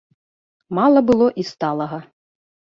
Мала было і сталага.